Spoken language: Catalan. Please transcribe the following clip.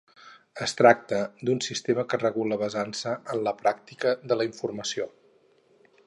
Es tracta d'un sistema que regula basant-se en la pràctica de la informació.